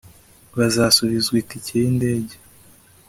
bazasubizwa itike y’indege